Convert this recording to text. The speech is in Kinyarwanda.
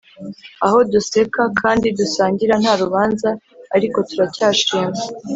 aho duseka kandi dusangira nta rubanza ariko turacyashima.